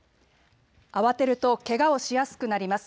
慌てるとけがをしやすくなります。